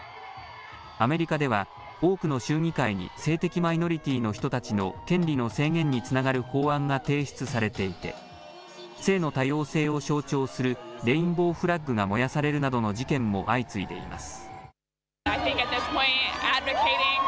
アメリカでは多くの州議会に性的マイノリティーの人たちの権利の制限につながる法案が提出されていて性の多様性を象徴するレインボーフラッグが燃やされるなどの事件も相次いでいます。